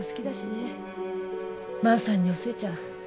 万さんにお寿恵ちゃん